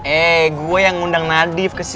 eee gua yang ngundang nadif kesini